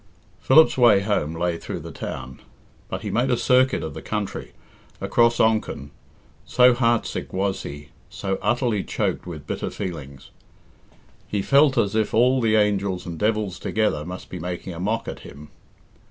Philip's way home lay through the town, but he made a circuit of the country, across Onchan, so heartsick was he, so utterly choked with bitter feelings. He felt as if all the angels and devils together must be making a mock at him.